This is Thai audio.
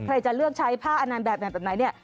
ใครจะเลือกใช้ผ้าอันนั้นแบบไหนแบบไหน